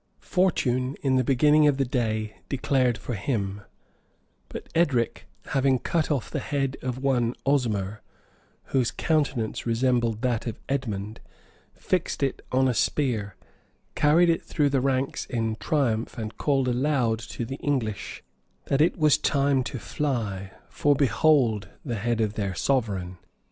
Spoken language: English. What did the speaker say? Fortune, in the beginning of the day, declared for him; but Edric, having cut off the head of one Osmer, whose countenance resembled that of Edmond fixed it on a spear, carried it through the ranks in triumph, and called aloud to the English, that it was time to fly; for, behold! the head of their sovereign.